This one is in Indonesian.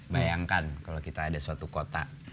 bayangkan kalau kita ada suatu kota